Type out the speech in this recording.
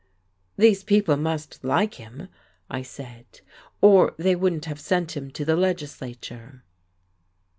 "These people must like him," I said, "or they wouldn't have sent him to the legislature."